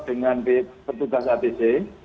dengan petugas atc